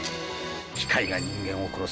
機械が人間を殺す。